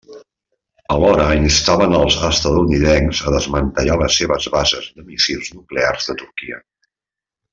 Alhora instaven els estatunidencs a desmantellar les seves bases de míssils nuclears de Turquia.